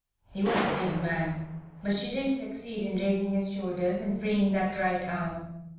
He was a big man, but she did succeed in raising his shoulders, and freeing that right arm.